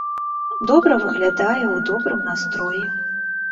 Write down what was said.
Добра выглядае, у добрым настроі.